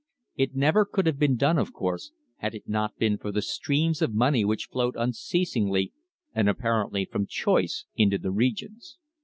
It never could have been done, of course, had it not been for the streams of money which flowed unceasingly and apparently from choice into the regions.